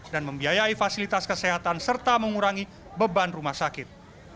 dan membiayai fasilitas kesehatan serta mengurangi beban rumah sakit